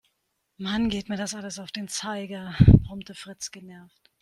Mann, geht mir das alles auf den Zeiger, brummte Fritz genervt.